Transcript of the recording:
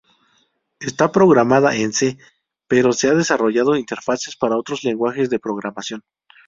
Está programada en C, pero se han desarrollado interfaces para otros lenguajes de programación.